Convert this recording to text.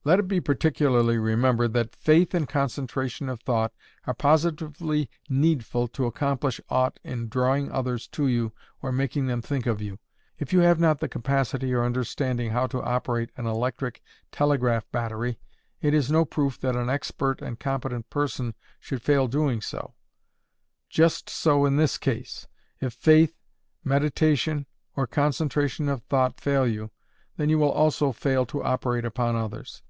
_ Let it be particularly remembered that "Faith" and concentration of thought are positively needful to accomplish aught in drawing others to you or making them think of you. If you have not the capacity or understanding how to operate an electric telegraph battery, it is no proof that an expert and competent person should fail doing so; just so in this case; if faith, meditation, or concentration of thought fail you, then will you also fail to operate upon others.